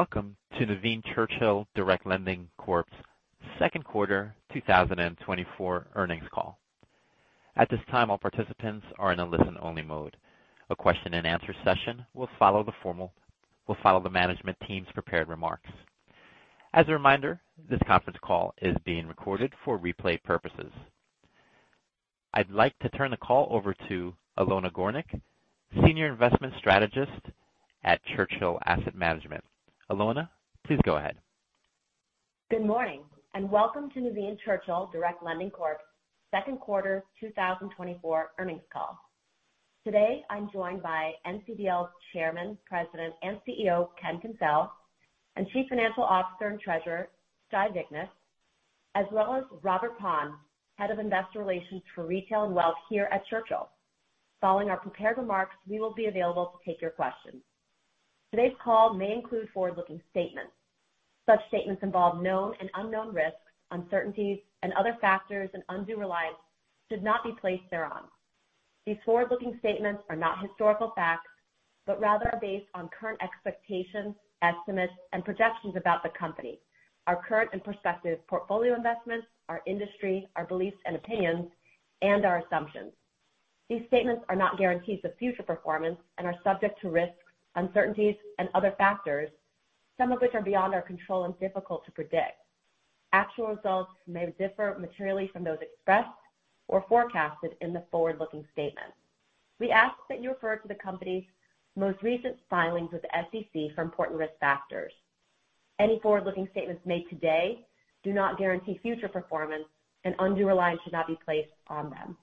Welcome to Nuveen Churchill Direct Lending Corp.'s second quarter 2024 earnings call. At this time, all participants are in a listen-only mode. A question-and-answer session will follow the management team's prepared remarks. As a reminder, this conference call is being recorded for replay purposes. I'd like to turn the call over to Alona Gornick, Senior Investment Strategist at Churchill Asset Management. Alona, please go ahead. Good morning, welcome to Nuveen Churchill Direct Lending Corp's second quarter 2024 earnings call. Today, I'm joined by NCDL's Chairman, President, and CEO, Ken Kencel, and Chief Financial Officer and Treasurer, Shai Vichness, as well as Michael Pond, Head of Investor Relations for Retail and Wealth here at Churchill. Following our prepared remarks, we will be available to take your questions. Today's call may include forward-looking statements. Such statements involve known and unknown risks, uncertainties, and other factors, undue reliance should not be placed thereon. These forward-looking statements are not historical facts, but rather are based on current expectations, estimates, and projections about the Company, our current and prospective portfolio investments, our industry, our beliefs and opinions, and our assumptions. These statements are not guarantees of future performance and are subject to risks, uncertainties, and other factors, some of which are beyond our control and difficult to predict. Actual results may differ materially from those expressed or forecasted in the forward-looking statements. We ask that you refer to the Company's most recent filings with the SEC for important risk factors. Any forward-looking statements made today do not guarantee future performance and undue reliance should not be placed on them.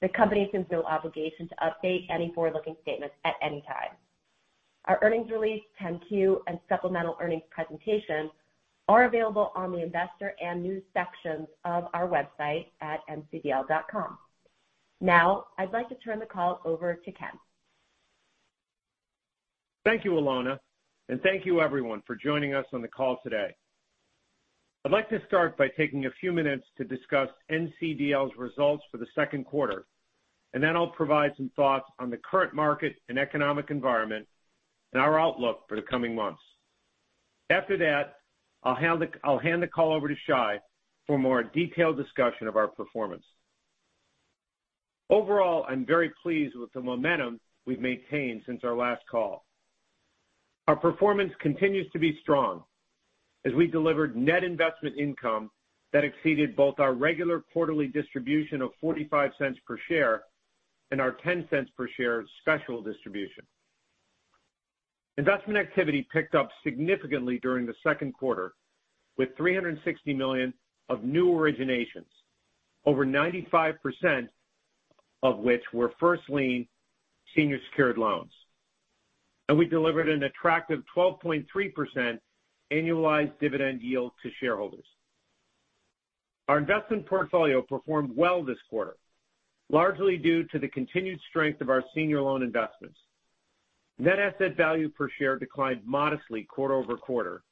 The Company assumes no obligation to update any forward-looking statements at any time. Our earnings release 10-Q and supplemental earnings presentation are available on the investor and news sections of our website at ncdl.com. I'd like to turn the call over to Ken. Thank you, Alona. Thank you everyone for joining us on the call today. I'd like to start by taking a few minutes to discuss NCDL's results for the second quarter, and then I'll provide some thoughts on the current market and economic environment and our outlook for the coming months. After that, I'll hand the call over to Shai for a more detailed discussion of our performance. Overall, I'm very pleased with the momentum we've maintained since our last call. Our performance continues to be strong as we delivered net investment income that exceeded both our regular quarterly distribution of $0.45 per share and our $0.10 per share special distribution. Investment activity picked up significantly during the second quarter with $360 million of new originations, over 95% of which were first lien senior secured loans. We delivered an attractive 12.3% annualized dividend yield to shareholders. Our investment portfolio performed well this quarter, largely due to the continued strength of our senior loan investments. Net asset value per share declined modestly quarter-over-quarter,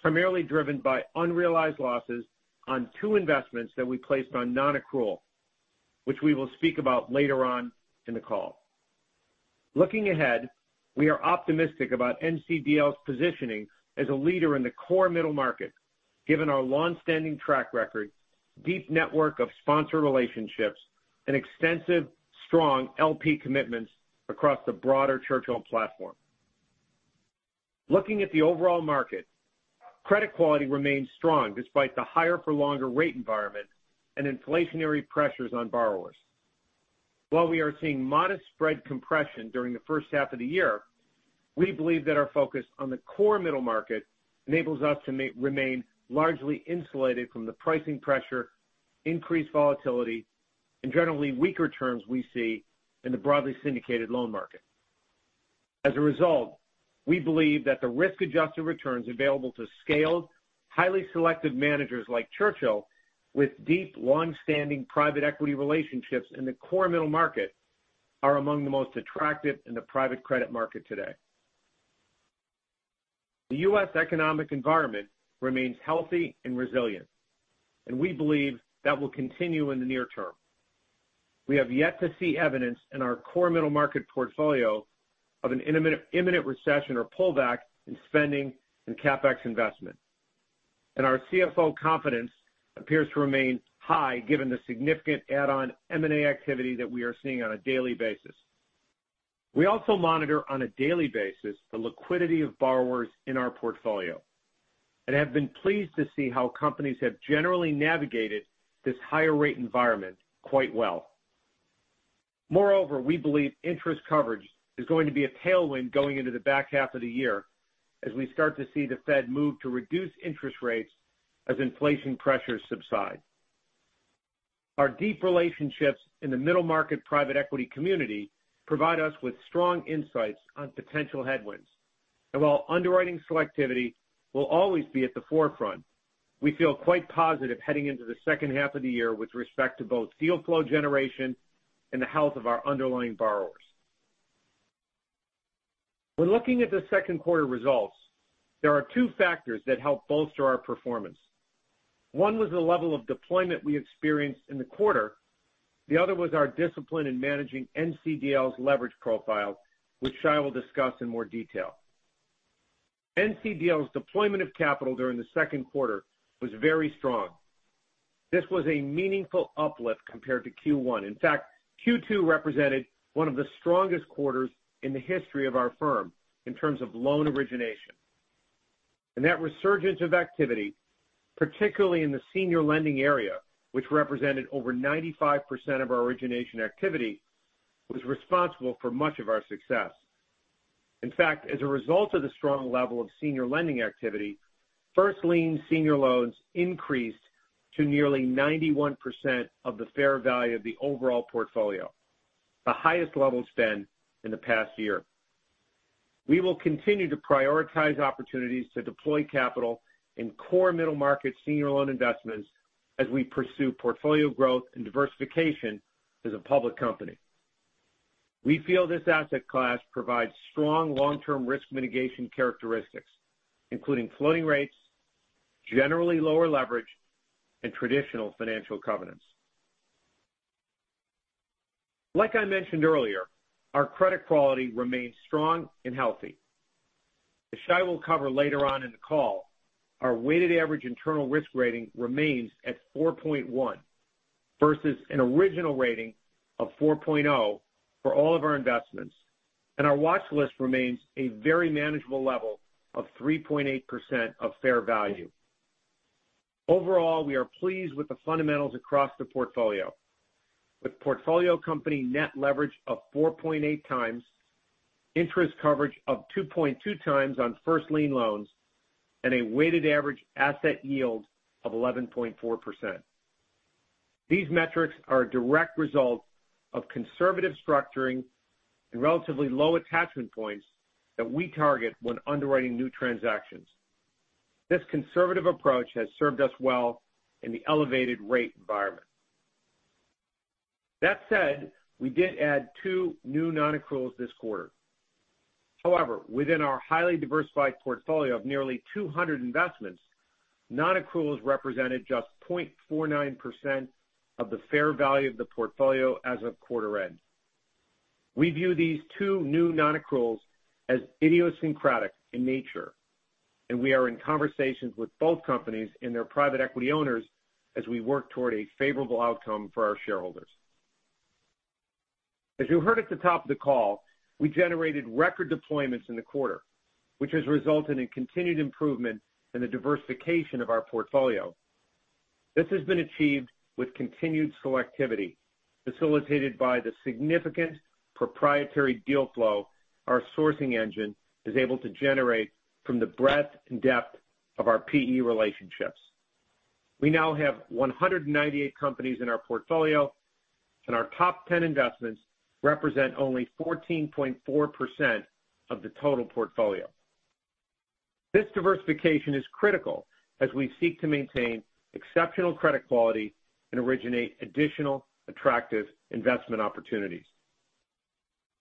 primarily driven by unrealized losses on two investments that we placed on non-accrual, which we will speak about later on in the call. Looking ahead, we are optimistic about NCDL's positioning as a leader in the core middle market, given our longstanding track record, deep network of sponsor relationships, and extensive strong LP commitments across the broader Churchill platform. Looking at the overall market, credit quality remains strong despite the higher-for-longer rate environment and inflationary pressures on borrowers. While we are seeing modest spread compression during the first half of the year, we believe that our focus on the core middle market enables us to remain largely insulated from the pricing pressure, increased volatility, and generally weaker terms we see in the broadly syndicated loan market. As a result, we believe that the risk-adjusted returns available to scaled, highly selective managers like Churchill with deep, longstanding private equity relationships in the core middle market are among the most attractive in the private credit market today. The U.S. economic environment remains healthy and resilient, we believe that will continue in the near term. We have yet to see evidence in our core middle market portfolio of an imminent recession or pullback in spending and CapEx investment. Our CFO confidence appears to remain high, given the significant add-on M&A activity that we are seeing on a daily basis. We also monitor on a daily basis the liquidity of borrowers in our portfolio and have been pleased to see how companies have generally navigated this higher rate environment quite well. Moreover, we believe interest coverage is going to be a tailwind going into the back half of the year as we start to see the Fed move to reduce interest rates as inflation pressures subside. Our deep relationships in the middle market private equity community provide us with strong insights on potential headwinds. While underwriting selectivity will always be at the forefront, we feel quite positive heading into the second half of the year with respect to both deal flow generation and the health of our underlying borrowers. When looking at the second quarter results, there are two factors that help bolster our performance. One was the level of deployment we experienced in the quarter. The other was our discipline in managing NCDL's leverage profile, which Shai will discuss in more detail. NCDL's deployment of capital during the second quarter was very strong. This was a meaningful uplift compared to Q1. In fact, Q2 represented one of the strongest quarters in the history of our firm in terms of loan origination. That resurgence of activity, particularly in the senior lending area, which represented over 95% of our origination activity, was responsible for much of our success. In fact, as a result of the strong level of senior lending activity, first lien senior loans increased to nearly 91% of the fair value of the overall portfolio, the highest level it's been in the past year. We will continue to prioritize opportunities to deploy capital in core middle-market senior loan investments as we pursue portfolio growth and diversification as a public company. We feel this asset class provides strong long-term risk mitigation characteristics, including floating rates, generally lower leverage, and traditional financial covenants. Like I mentioned earlier, our credit quality remains strong and healthy. As Shai will cover later on in the call, our weighted average internal risk rating remains at 4.1 versus an original rating of 4.0 for all of our investments, and our watch list remains a very manageable level of 3.8% of fair value. Overall, we are pleased with the fundamentals across the portfolio, with portfolio company net leverage of 4.8x, interest coverage of 2.2x on first lien loans, and a weighted average asset yield of 11.4%. These metrics are a direct result of conservative structuring and relatively low attachment points that we target when underwriting new transactions. This conservative approach has served us well in the elevated rate environment. That said, we did add two new non-accruals this quarter. However, within our highly diversified portfolio of nearly 200 investments, non-accruals represented just 0.49% of the fair value of the portfolio as of quarter-end. We view these two new non-accruals as idiosyncratic in nature, and we are in conversations with both companies and their private equity owners as we work toward a favorable outcome for our shareholders. As you heard at the top of the call, we generated record deployments in the quarter, which has resulted in continued improvement in the diversification of our portfolio. This has been achieved with continued selectivity, facilitated by the significant proprietary deal flow our sourcing engine is able to generate from the breadth and depth of our PE relationships. We now have 198 companies in our portfolio, and our top 10 investments represent only 14.4% of the total portfolio. This diversification is critical as we seek to maintain exceptional credit quality and originate additional attractive investment opportunities.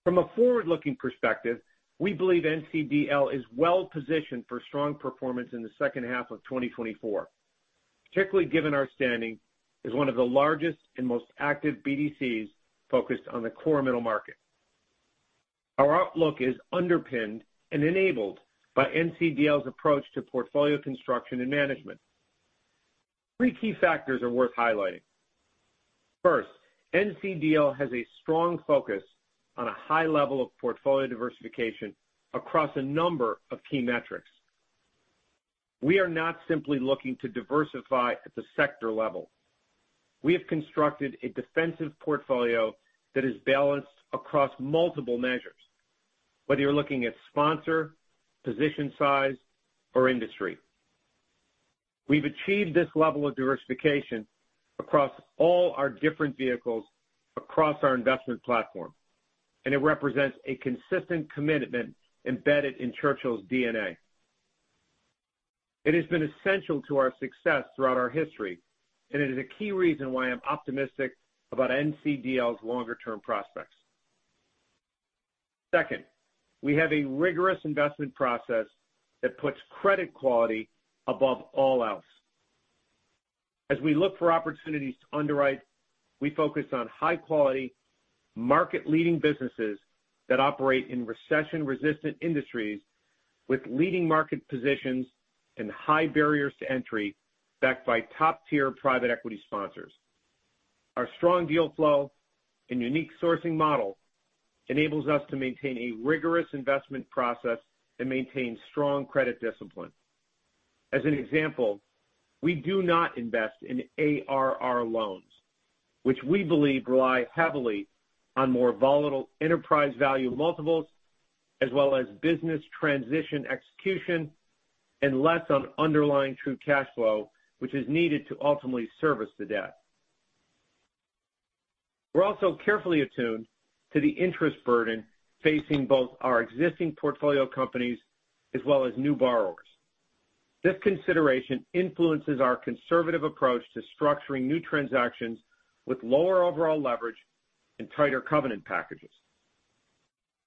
From a forward-looking perspective, we believe NCDL is well-positioned for strong performance in the second half of 2024, particularly given our standing as one of the largest and most active BDCs focused on the core middle market. Our outlook is underpinned and enabled by NCDL's approach to portfolio construction and management. Three key factors are worth highlighting. First, NCDL has a strong focus on a high level of portfolio diversification across a number of key metrics. We are not simply looking to diversify at the sector level. We have constructed a defensive portfolio that is balanced across multiple measures, whether you're looking at sponsor, position size, or industry. We've achieved this level of diversification across all our different vehicles across our investment platform, and it represents a consistent commitment embedded in Churchill's DNA. It has been essential to our success throughout our history, and it is a key reason why I'm optimistic about NCDL's longer-term prospects. Second, we have a rigorous investment process that puts credit quality above all else. As we look for opportunities to underwrite, we focus on high-quality, market-leading businesses that operate in recession-resistant industries with leading market positions and high barriers to entry backed by top-tier private equity sponsors. Our strong deal flow and unique sourcing model enable us to maintain a rigorous investment process and maintain strong credit discipline. As an example, we do not invest in ARR loans, which we believe rely heavily on more volatile enterprise value multiples as well as business transition execution and less on underlying true cash flow, which is needed to ultimately service the debt. We're also carefully attuned to the interest burden facing both our existing portfolio companies as well as new borrowers. This consideration influences our conservative approach to structuring new transactions with lower overall leverage and tighter covenant packages.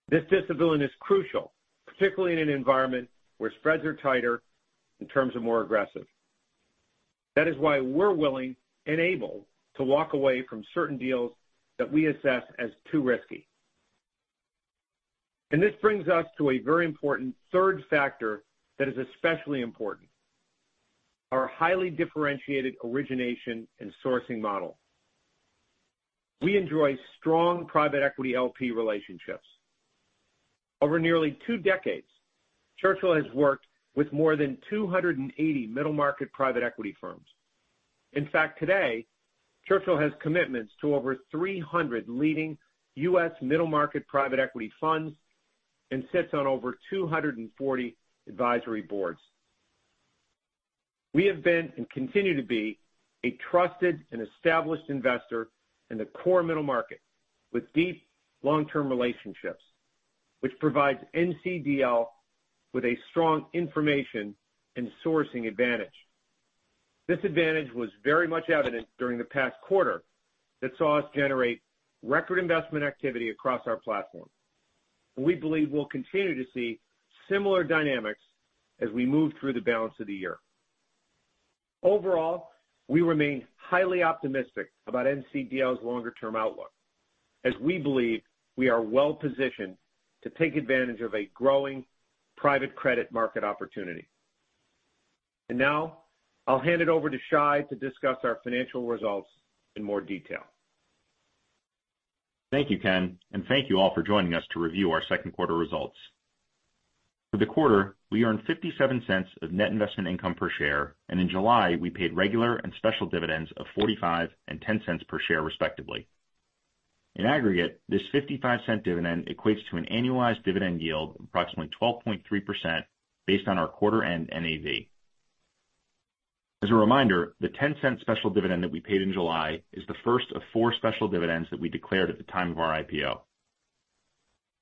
This discipline is crucial, particularly in an environment where spreads are tighter in terms of more aggressive. That is why we're willing and able to walk away from certain deals that we assess as too risky. This brings us to a very important third factor that is especially important, our highly differentiated origination and sourcing model. We enjoy strong private equity LP relationships. Over nearly two decades, Churchill has worked with more than 280 middle-market private equity firms. In fact, today, Churchill has commitments to over 300 leading U.S. middle market private equity funds and sits on over 240 advisory boards. We have been, and continue to be, a trusted and established investor in the core middle market with deep long-term relationships, which provides NCDL with a strong information and sourcing advantage. This advantage was very much evident during the past quarter that saw us generate record investment activity across our platform. We believe we'll continue to see similar dynamics as we move through the balance of the year. Overall, we remain highly optimistic about NCDL's longer-term outlook, as we believe we are well-positioned to take advantage of a growing private credit market opportunity. Now, I'll hand it over to Shai to discuss our financial results in more detail. Thank you, Ken, and thank you all for joining us to review our second quarter results. For the quarter, we earned $0.57 of net investment income per share, and in July, we paid regular and special dividends of $0.45 and $0.10 per share, respectively. In aggregate, this $0.55 dividend equates to an annualized dividend yield of approximately 12.3% based on our quarter-end NAV. As a reminder, the $0.10 special dividend that we paid in July is the 1st of 4 special dividends that we declared at the time of our IPO.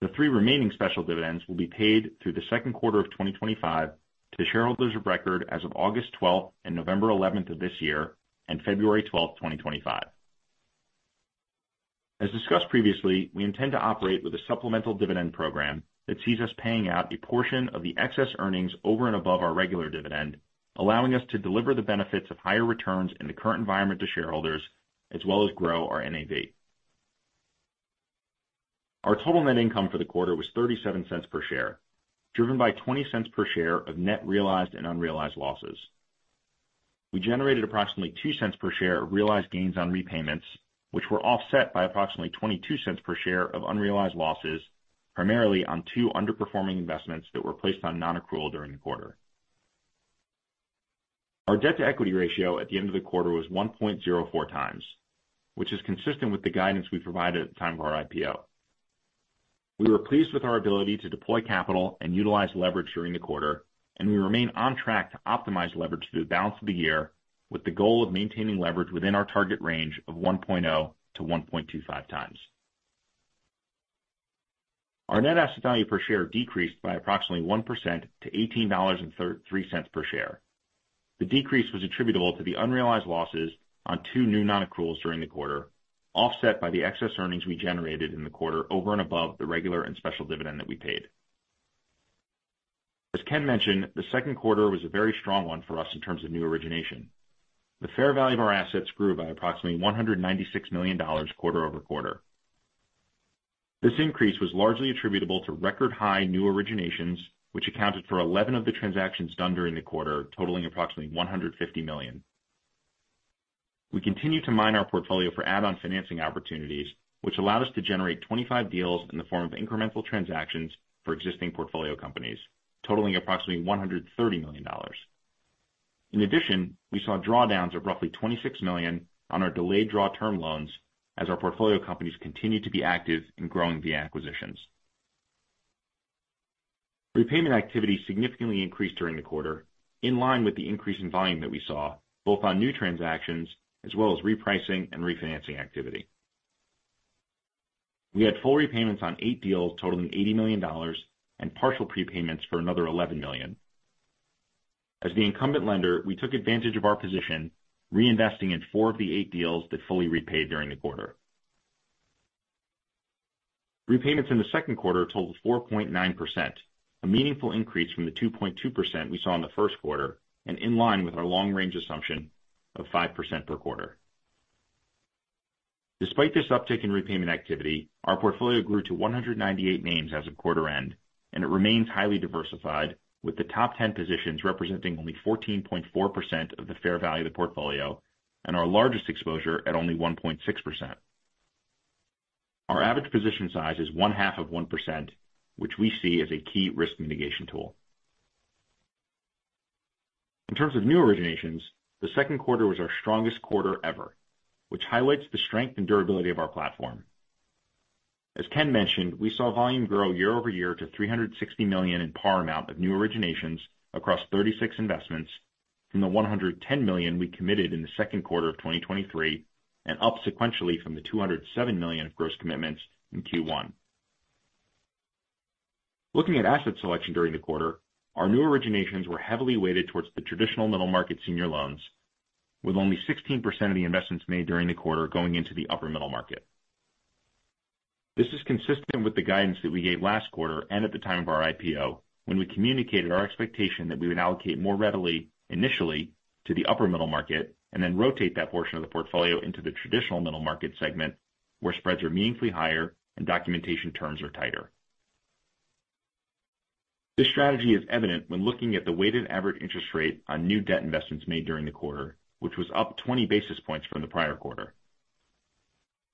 The three remaining special dividends will be paid through the second quarter of 2025 to shareholders of record as of August 12 and November 11 of this year, and February 12, 2025. As discussed previously, we intend to operate with a supplemental dividend program that sees us paying out a portion of the excess earnings over and above our regular dividend, allowing us to deliver the benefits of higher returns in the current environment to shareholders as well as grow our NAV. Our total net income for the quarter was $0.37 per share, driven by $0.20 per share of net realized and unrealized losses. We generated approximately $0.02 per share of realized gains on repayments, which were offset by approximately $0.22 per share of unrealized losses, primarily on two underperforming investments that were placed on non-accrual during the quarter. Our debt-to-equity ratio at the end of the quarter was 1.04x, which is consistent with the guidance we provided at the time of our IPO. We were pleased with our ability to deploy capital and utilize leverage during the quarter. We remain on track to optimize leverage through the balance of the year with the goal of maintaining leverage within our target range of 1.0x to 1.25x. Our net asset value per share decreased by approximately 1% to $18.03 per share. The decrease was attributable to the unrealized losses on two new non-accruals during the quarter, offset by the excess earnings we generated in the quarter over and above the regular and special dividend that we paid. As Ken mentioned, the second quarter was a very strong one for us in terms of new origination. The fair value of our assets grew by approximately $196 million quarter-over-quarter. This increase was largely attributable to record-high new originations, which accounted for 11 of the transactions done during the quarter, totaling approximately $150 million. We continue to mine our portfolio for add-on financing opportunities, which allowed us to generate 25 deals in the form of incremental transactions for existing portfolio companies, totaling approximately $130 million. In addition, we saw drawdowns of roughly $26 million on our delayed draw term loans as our portfolio companies continue to be active in growing via acquisitions. Repayment activity significantly increased during the quarter, in line with the increase in volume that we saw, both on new transactions as well as repricing and refinancing activity. We had full repayments on eight deals totaling $80 million and partial prepayments for another $11 million. As the incumbent lender, we took advantage of our position, reinvesting in four of the eight deals that fully repaid during the quarter. Repayments in the 2nd quarter totaled 4.9%, a meaningful increase from the 2.2% we saw in the 1st quarter, and in line with our long-range assumption of 5% per quarter. Despite this uptick in repayment activity, our portfolio grew to 198 names as of quarter end, and it remains highly diversified, with the top 10 positions representing only 14.4% of the fair value of the portfolio and our largest exposure at only 1.6%. Our average position size is 1/2 of 1%, which we see as a key risk mitigation tool. In terms of new originations, the second quarter was our strongest quarter ever, which highlights the strength and durability of our platform. As Ken mentioned, we saw volume grow year-over-year to $360 million in par amount of new originations across 36 investments from the $110 million we committed in the second quarter of 2023, and up sequentially from the $207 million of gross commitments in Q1. Looking at asset selection during the quarter, our new originations were heavily weighted towards the traditional middle market senior loans, with only 16% of the investments made during the quarter going into the upper middle market. This is consistent with the guidance that we gave last quarter and at the time of our IPO, when we communicated our expectation that we would allocate more readily initially to the upper middle market and then rotate that portion of the portfolio into the traditional middle market segment, where spreads are meaningfully higher, and documentation terms are tighter. This strategy is evident when looking at the weighted average interest rate on new debt investments made during the quarter, which was up 20 basis points from the prior quarter.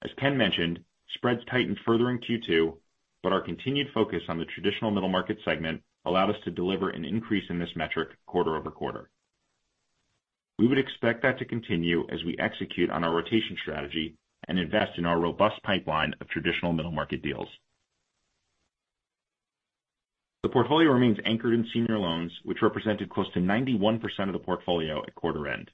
As Ken mentioned, spreads tightened further in Q2, but our continued focus on the traditional middle market segment allowed us to deliver an increase in this metric quarter-over-quarter. We would expect that to continue as we execute on our rotation strategy and invest in our robust pipeline of traditional middle market deals. The portfolio remains anchored in senior loans, which represented close to 91% of the portfolio at quarter end.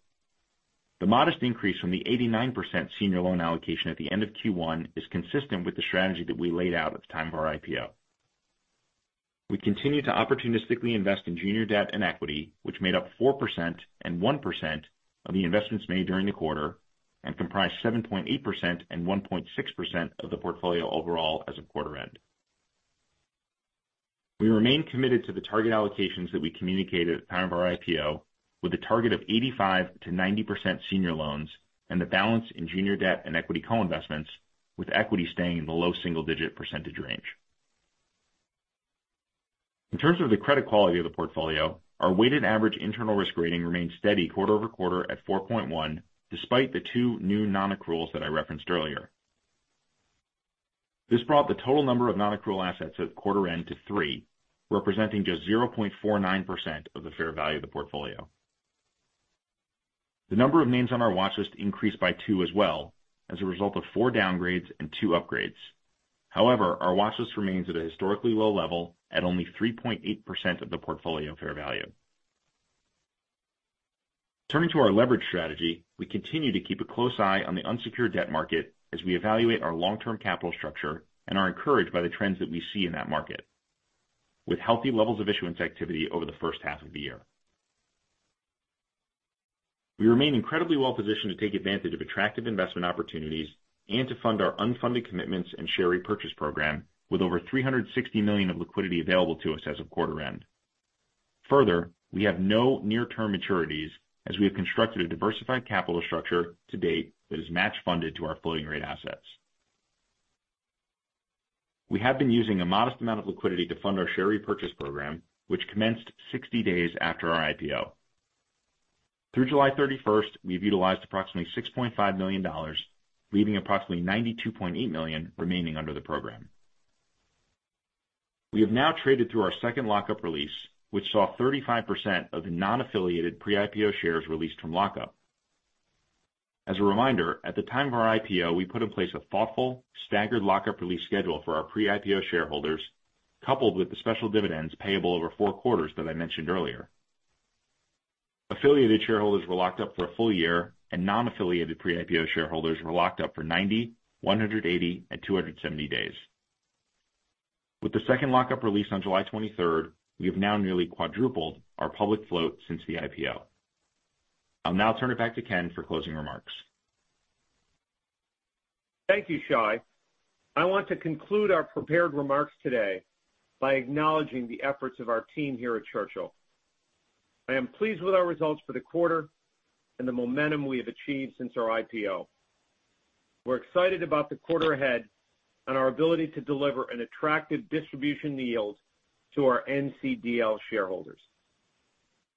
The modest increase from the 89% senior loan allocation at the end of Q1 is consistent with the strategy that we laid out at the time of our IPO. We continue to opportunistically invest in junior debt and equity, which made up 4% and 1% of the investments made during the quarter and comprise 7.8% and 1.6% of the portfolio overall as of quarter-end. We remain committed to the target allocations that we communicated at the time of our IPO with a target of 85%-90% senior loans and the balance in junior debt and equity co-investments, with equity staying in the low single-digit percentage range. In terms of the credit quality of the portfolio, our weighted average internal risk rating remained steady quarter-over-quarter at 4.1, despite the two new non-accruals that I referenced earlier. This brought the total number of non-accrual assets at quarter end to three, representing just 0.49% of the fair value of the portfolio. The number of names on our watch list increased by two as well as a result of four downgrades and two upgrades. However, our watch list remains at a historically low level at only 3.8% of the portfolio fair value. Turning to our leverage strategy, we continue to keep a close eye on the unsecured debt market as we evaluate our long-term capital structure and are encouraged by the trends that we see in that market with healthy levels of issuance activity over the first half of the year. We remain incredibly well-positioned to take advantage of attractive investment opportunities and to fund our unfunded commitments and share repurchase program with over $360 million of liquidity available to us as of quarter-end. Further, we have no near-term maturities as we have constructed a diversified capital structure to date that is match-funded to our floating rate assets. We have been using a modest amount of liquidity to fund our share repurchase program, which commenced 60 days after our IPO. Through July 31st, we've utilized approximately $6.5 million, leaving approximately $92.8 million remaining under the program. We have now traded through our second lockup release, which saw 35% of non-affiliated pre-IPO shares released from lockup. As a reminder, at the time of our IPO, we put in place a thoughtful staggered lockup release schedule for our pre-IPO shareholders, coupled with the special dividends payable over four quarters that I mentioned earlier. Affiliated shareholders were locked up for a full year, and non-affiliated pre-IPO shareholders were locked up for 90, 180, and 270 days. With the second lockup release on July 23rd, we have now nearly quadrupled our public float since the IPO. I'll now turn it back to Ken for closing remarks. Thank you, Shai. I want to conclude our prepared remarks today by acknowledging the efforts of our team here at Churchill. I am pleased with our results for the quarter and the momentum we have achieved since our IPO. We're excited about the quarter ahead and our ability to deliver an attractive distribution yield to our NCDL shareholders.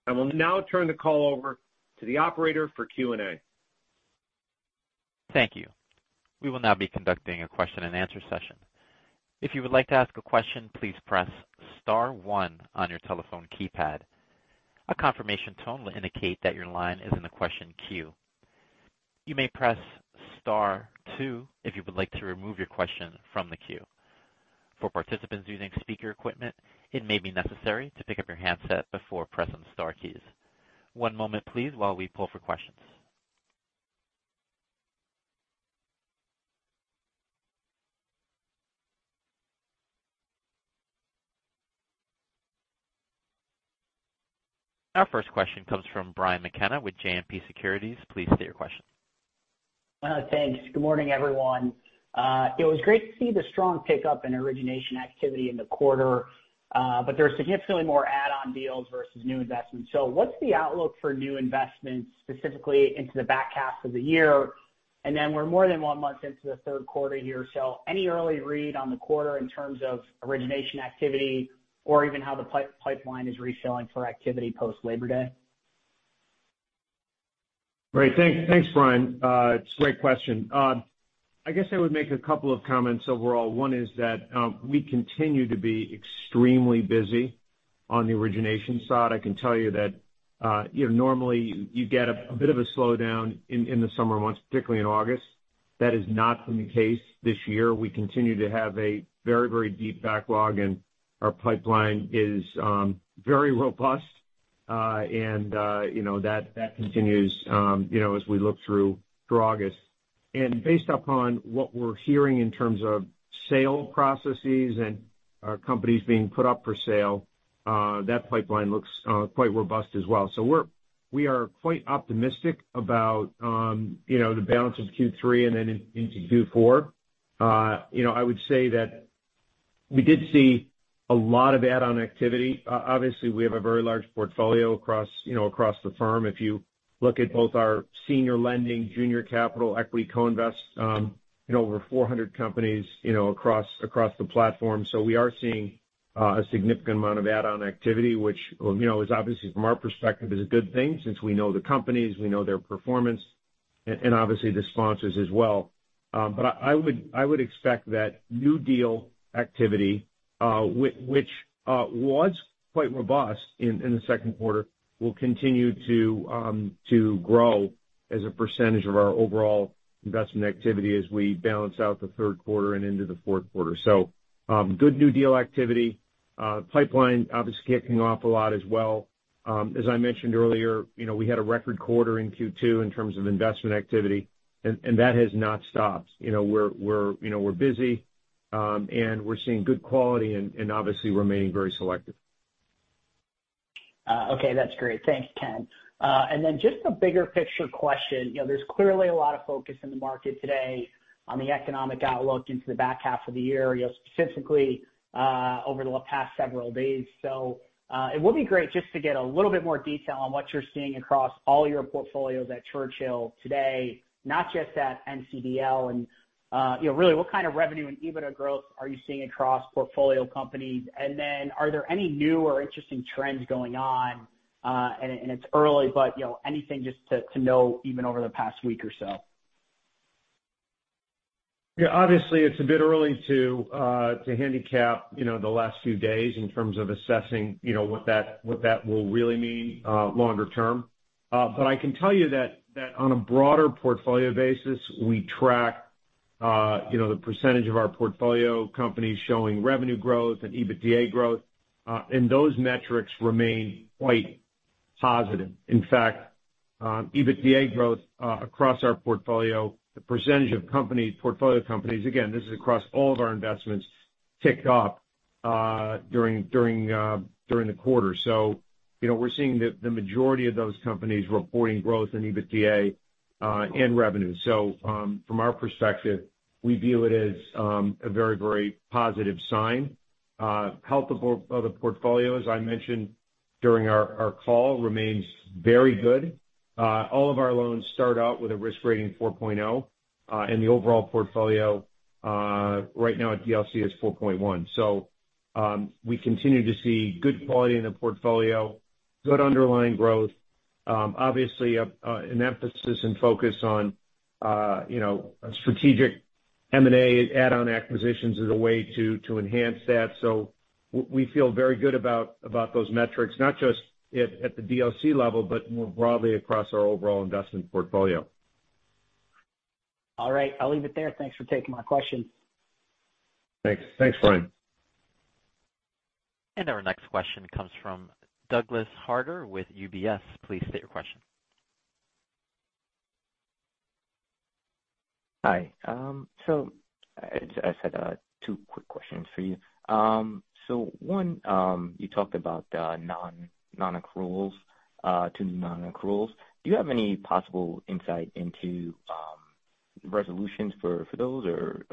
I will now turn the call over to the operator for Q&A. Thank you. We will now be conducting a question-and-answer session. If you would like to ask a question, please press star one on your telephone keypad. A confirmation tone will indicate that your line is in the question queue. You may press star two if you would like to remove your question from the queue. For participants using speaker equipment, it may be necessary to pick up your handset before pressing the star keys. One moment please, while we pull for questions. Our first question comes from Brian McKenna with JMP Securities. Please state your question. Thanks. Good morning, everyone. It was great to see the strong pickup in origination activity in the quarter, but there are significantly more add-on deals versus new investments. What's the outlook for new investments, specifically into the back half of the year? We're more than one month into the 3rd quarter here. Any early read on the quarter in terms of origination activity or even how the pipeline is refilling for activity post-Labor Day? Thanks, Brian. It's a great question. I guess I would make a couple of comments overall. One is that we continue to be extremely busy on the origination side. I can tell you that, you know, normally you get a bit of a slowdown in the summer months, particularly in August. That has not been the case this year. We continue to have a very deep backlog, and our pipeline is very robust. You know, that continues, you know, as we look through August. Based upon what we're hearing in terms of sale processes and our companies being put up for sale, that pipeline looks quite robust as well. We are quite optimistic about, you know, the balance of Q3 and then into Q4. You know, I would say that we did see a lot of add-on activity. Obviously, we have a very large portfolio across, you know, across the firm. If you look at both our senior lending and junior capital equity co-invest, in over 400 companies, you know, across the platform. We are seeing a significant amount of add-on activity, which, well, you know, is obviously from our perspective is a good thing since we know the companies, we know their performance, and obviously the sponsors as well. I would expect that new deal activity, which was quite robust in the second quarter, will continue to grow as a percentage of our overall investment activity as we balance out the third quarter and into the fourth quarter. Good new deal activity. Pipeline obviously kicking off a lot as well. As I mentioned earlier, you know, we had a record quarter in Q2 in terms of investment activity, and that has not stopped. You know, we're, you know, we're busy, and we're seeing good quality and obviously remaining very selective. Okay, that's great. Thanks, Ken. Just a bigger picture question. You know, there's clearly a lot of focus in the market today on the economic outlook into the back half of the year, you know, specifically, over the past several days. It would be great just to get a little bit more detail on what you're seeing across all your portfolios at Churchill today, not just at NCDL. You know, really, what kind of revenue and EBITDA growth are you seeing across portfolio companies? Are there any new or interesting trends going on? It's early, you know, anything just to know even over the past week or so. Yeah, obviously, it's a bit early to handicap, you know, the last few days in terms of assessing, you know, what that will really mean longer term. I can tell you that on a broader portfolio basis, we track, you know, the percentage of our portfolio companies showing revenue growth and EBITDA growth, and those metrics remain quite positive. In fact, EBITDA growth across our portfolio, the percentage of companies, portfolio companies, again, this is across all of our investments, ticked up during the quarter. You know, we're seeing the majority of those companies' reporting growth in EBITDA and revenue. From our perspective, we view it as a very, very positive sign. Health of the portfolio, as I mentioned during our call, remains very good. All of our loans start out with a risk rating 4.0, and the overall portfolio right now at NCDL is 4.1. We continue to see good quality in the portfolio, good underlying growth. Obviously, an emphasis and focus on, you know, strategic M&A add-on acquisitions as a way to enhance that. We feel very good about those metrics, not just at the NCDL level, but more broadly across our overall investment portfolio. All right. I'll leave it there. Thanks for taking my question. Thanks. Thanks, Brian. Our next question comes from Douglas Harter with UBS. Please state your question. Hi. I just had two quick questions for you. One, you talked about the non-accruals, two non-accruals. Do you have any possible insight into resolutions for those or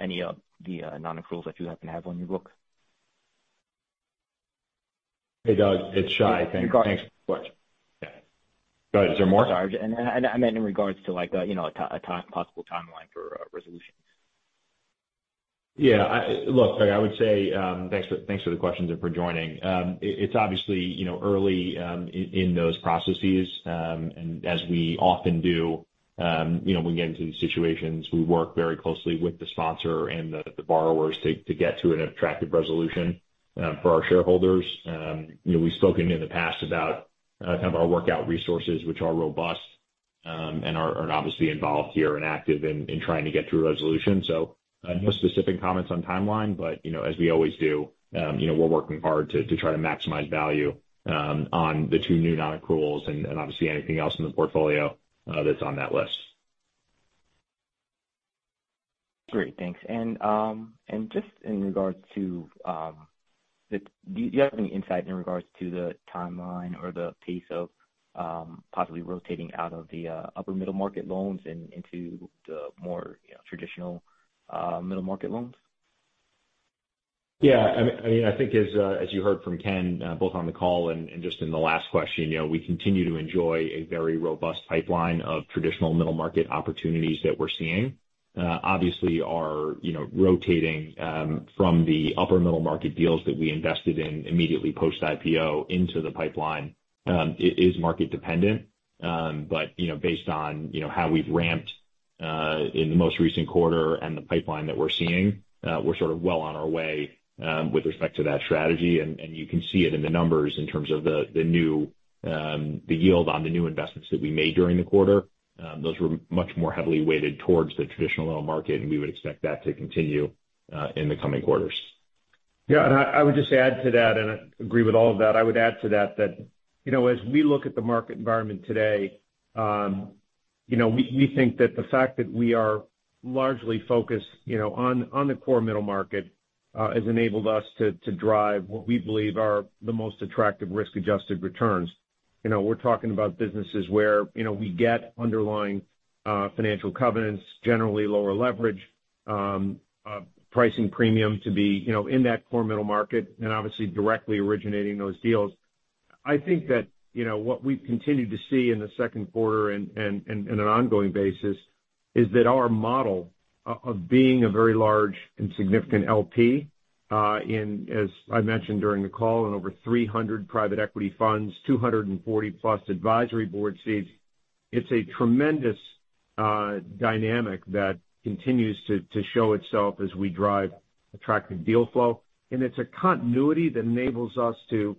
any of the non-accruals that you happen to have on your books? Hey, Doug, it's Shai. In regards- Thanks for the question. Yeah. Go ahead. Is there more? Sorry. I meant in regard to like, you know, a possible timeline for resolutions. Yeah. I look, I would say, thanks for the questions and for joining. It's obviously, you know, early in those processes. As we often do, you know, when we get into these situations, we work very closely with the sponsor and the borrowers to get to an attractive resolution for our shareholders. You know, we've spoken in the past about kind of our workout resources, which are robust, and are obviously involved here and active in trying to get to a resolution. No specific comments on timeline, but, you know, as we always do, you know, we're working hard to try to maximize value on the two new non-accruals and obviously anything else in the portfolio that's on that list. Great. Thanks. Just in regard to, do you have any insight in regards to the timeline or the pace of possibly rotating out of the upper middle market loans and into the more, you know, traditional middle market loans? Yeah. I mean, I think as you heard from Ken, both on the call and just in the last question, you know, we continue to enjoy a very robust pipeline of traditional middle market opportunities that we're seeing. Obviously, our, you know, rotating from the upper middle market deals that we invested in immediately post-IPO into the pipeline, is market-dependent. You know, based on, you know, how we've ramped in the most recent quarter and the pipeline that we're seeing, we're sort of well on our way with respect to that strategy. You can see it in the numbers in terms of the new, the yield on the new investments that we made during the quarter. Those were much more heavily weighted towards the traditional middle market, and we would expect that to continue. In the coming quarters. Yeah, I would just add to that, and I agree with all of that. I would add to that, you know, as we look at the market environment today, you know, we think that the fact that we are largely focused, you know, on the core middle market has enabled us to drive what we believe are the most attractive risk-adjusted returns. You know, we're talking about businesses where, you know, we get underlying financial covenants, generally lower leverage, pricing premium to be, you know, in that core middle market, and obviously directly originating those deals. I think that, you know, what we've continued to see in the second quarter and on an ongoing basis is that our model of being a very large and significant LP, as I mentioned during the call, in over 300 private equity funds, 240+ advisory board seats, it's a tremendous dynamic that continues to show itself as we drive attractive deal flow. It's a continuity that enables us to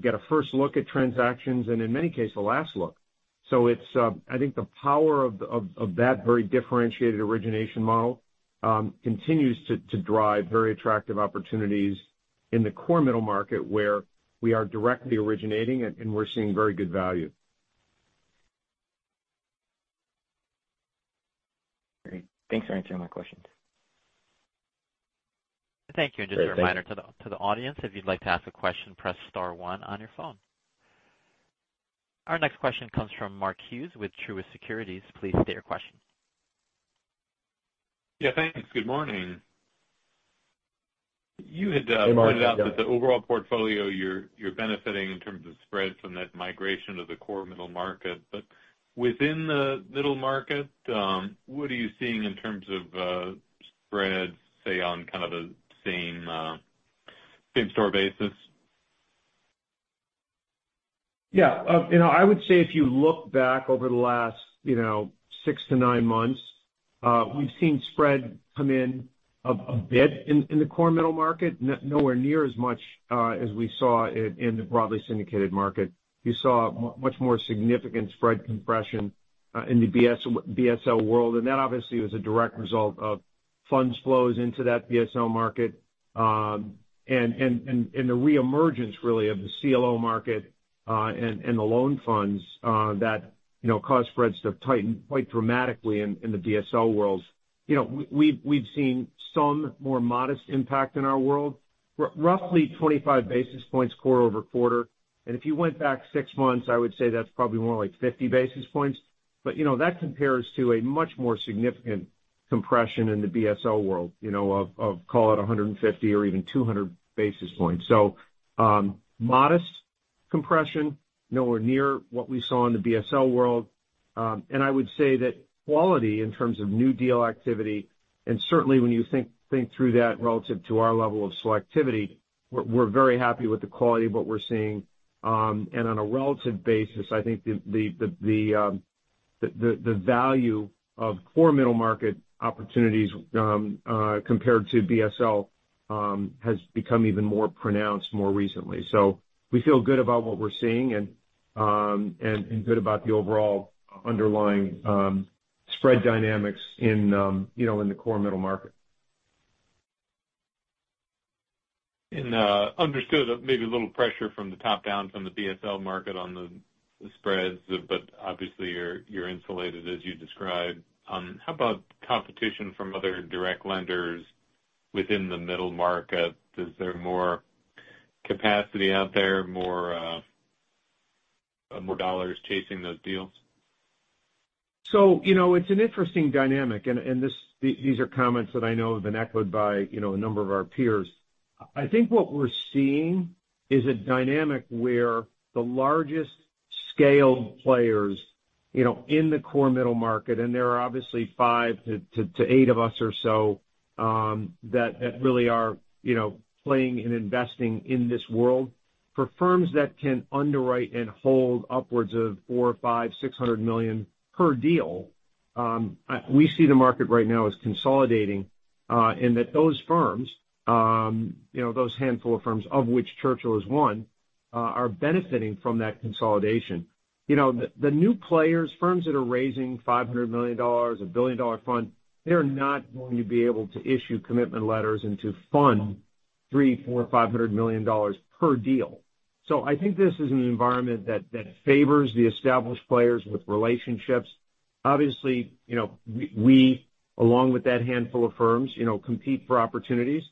get a first look at transactions and, in many cases, a last look. It's I think the power of that very differentiated origination model continues to drive very attractive opportunities in the core middle market, where we are directly originating and we're seeing very good value. Great. Thanks for answering my questions. Thank you. Just a reminder to the audience, if you'd like to ask a question, press star one on your phone. Our next question comes from Mark Hughes with Truist Securities. Please state your question. Yeah, thanks. Good morning. Hey, Mark. How are you? Pointed out that the overall portfolio, you're benefiting in terms of spreads from that migration to the core middle market. Within the middle market, what are you seeing in terms of spreads, say, on kind of a same-store basis? Yeah. You know, I would say if you looked back over the last, you know, six to nine months, we've seen spread come in a bit in the core middle market. Nowhere near as much as we saw in the broadly syndicated market. You saw much more significant spread compression in the BSL world, and that obviously was a direct result of funds flows into that BSL market. The reemergence really of the CLO market and the loan funds that, you know, caused spreads to tighten quite dramatically in the BSL world. You know, we've seen some more modest impact in our world. Roughly 25 basis points quarter-over-quarter. If you went back six months, I would say that's probably more like 50 basis points. You know, that compares to a much more significant compression in the BSL world, you know, call it 150 or even 200 basis points. Modest compression. Nowhere near what we saw in the BSL world. I would say that quality in terms of new deal activity, and certainly when you think through that relative to our level of selectivity, we're very happy with the quality of what we're seeing. On a relative basis, I think the value of core middle market opportunities compared to BSL has become even more pronounced more recently. We feel good about what we're seeing and good about the overall underlying spread dynamics in, you know, in the core middle market. Understood maybe a little pressure from the top down from the BSL market on the spreads, obviously, you're insulated as you described. How about competition from other direct lenders within the middle market? Is there more capacity out there, more dollars chasing those deals? You know, it's an interesting dynamic. These are comments that I know have been echoed by, you know, a number of our peers. I think what we're seeing is a dynamic where the largest scale players, you know, in the core middle market, and there are obviously five to eight of us or so, that really are, you know, playing and investing in this world. For firms that can underwrite and hold upwards of $400 million, $500 million, $600 million per deal, we see the market right now as consolidating, and that those firms, you know, those handful of firms of which Churchill is one, are benefiting from that consolidation. You know, the new players, firms that are raising $500 million, a $1 billion fund, they're not going to be able to issue commitment letters and to fund $300 million, $400 million, $500 million per deal. I think this is an environment that favors the established players with relationships. Obviously, you know, we, along with that handful of firms, you know, compete for opportunities.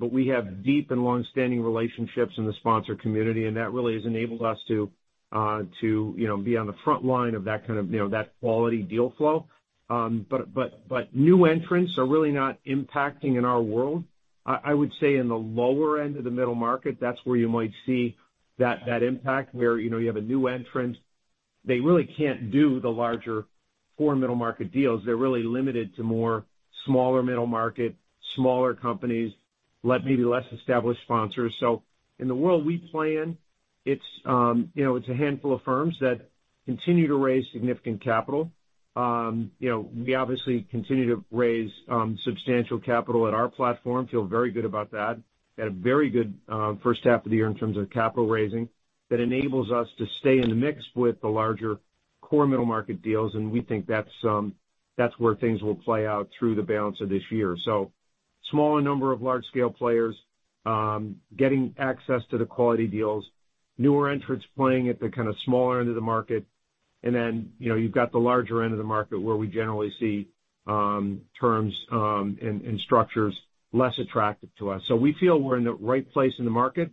We have deep and long-standing relationships in the sponsor community, and that really has enabled us to, you know, be on the front line of that kind of, you know, that quality deal flow. New entrants are really not impacting in our world. I would say in the lower end of the middle market, that's where you might see that impact, where, you know, you have a new entrant. They really can't do the larger core middle market deals. They're really limited to more smaller middle market, smaller companies, maybe less established sponsors. In the world we play in, it's, you know, it's a handful of firms that continue to raise significant capital. You know, we obviously continue to raise substantial capital at our platform. Feel very good about that. Had a very good first half of the year in terms of capital raising that enables us to stay in the mix with the larger core middle market deals, and we think that's where things will play out through the balance of this year. Smaller number of large-scale players getting access to the quality deals. Newer entrants playing at the kind of smaller end of the market. You know, you've got the larger end of the market where we generally see terms and structures less attractive to us. We feel we're in the right place in the market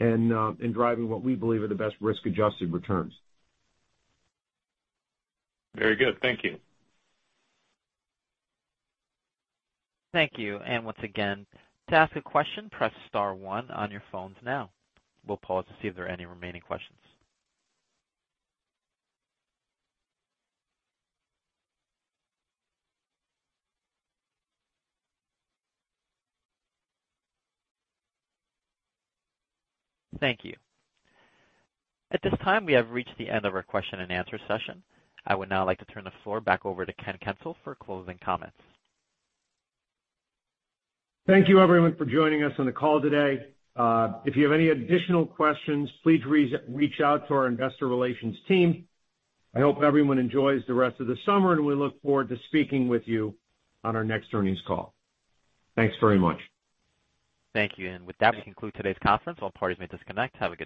and in driving what we believe are the best risk-adjusted returns. Very good. Thank you. Thank you. Once again, to ask a question, press star one on your phones now. We'll pause to see if there are any remaining questions. Thank you. At this time, we have reached the end of our question-and-answer session. I would now like to turn the floor back over to Ken Kencel for closing comments. Thank you, everyone for joining us on the call today. If you have any additional questions, please reach out to our investor relations team. I hope everyone enjoys the rest of the summer, and we look forward to speaking with you on our next earnings call. Thanks very much. Thank you. With that, we conclude today's conference. All parties may disconnect. Have a good day.